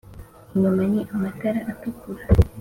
inyuma ni amatara atukura